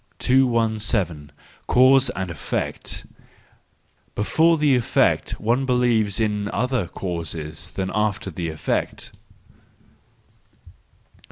217. Cause and Effect —Before the effect one believes in other causes than after the effect.